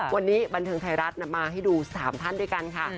วันนี้บันเทิงไทยรัฐมาให้ดู๓ท่านด้วยกันค่ะ